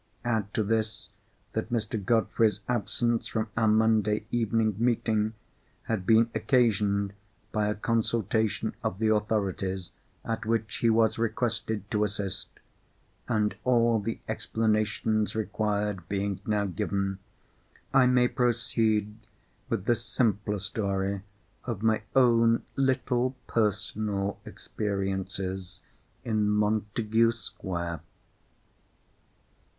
Add to this, that Mr. Godfrey's absence from our Monday evening meeting had been occasioned by a consultation of the authorities, at which he was requested to assist—and all the explanations required being now given, I may proceed with the simpler story of my own little personal experiences in Montagu Square.